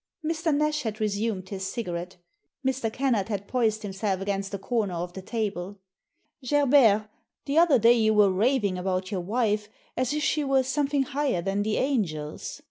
Mr. Nash had resumed his cigarette. Mr. Kennard had poised himself against a comer of the table. "Gerbert, the other day you were raving about your wife as if she were something higher than the angels.